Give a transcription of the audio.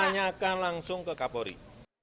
tanyakan langsung ke kapolri